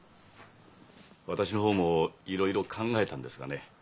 私の方もいろいろ考えたんですがね